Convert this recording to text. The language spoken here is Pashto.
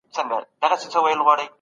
مینه یوازې د انسانانو ترمنځ ضرورت دی.